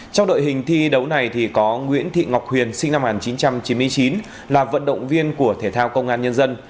trong đội hình thi đấu này có nguyễn thị ngọc huyền sinh năm một nghìn chín trăm chín mươi chín là vận động viên của thể thao công an nhân dân